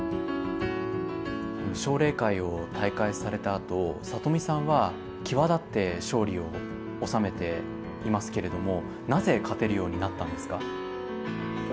奨励会を退会されたあと里見さんは際立って勝利を収めていますけれどもなぜ勝てるようになったんですか？